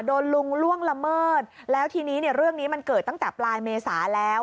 ลุงล่วงละเมิดแล้วทีนี้เนี่ยเรื่องนี้มันเกิดตั้งแต่ปลายเมษาแล้ว